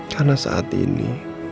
karena saat ini